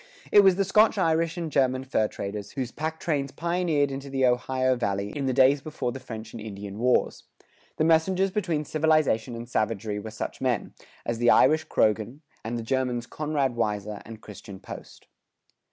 It was the Scotch Irish and German fur traders[104:4] whose pack trains pioneered into the Ohio Valley in the days before the French and Indian wars. The messengers between civilization and savagery were such men,[105:1] as the Irish Croghan, and the Germans Conrad Weiser and Christian Post.